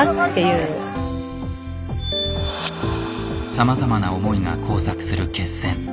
さまざまな思いが交錯する決戦。